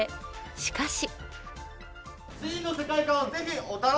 しかし。